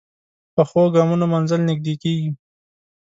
پخو ګامونو منزل نږدې کېږي